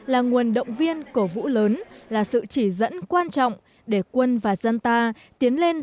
là nguồn động viên cổ vũ lớn là sự chỉ dẫn quan trọng để quân và dân ta tiến lên